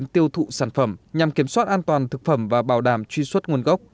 tiêu thụ sản phẩm nhằm kiểm soát an toàn thực phẩm và bảo đảm truy xuất nguồn gốc